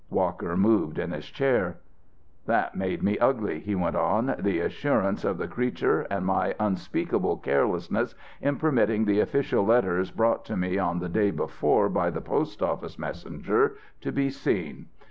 '" Walker moved in his chair. "That made me ugly," he went on, "the assurance of the creature and my unspeakable carelessness in permitting the official letters brought to me on the day before by the postoffice messenger to be seen.